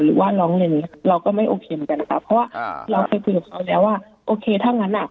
หรือว่าร้องเรียนเราก็ไม่โอเคเหมือนกันนะคะเพราะว่าเราเคยคุยกับเขาแล้วว่าโอเคถ้างั้นอ่ะ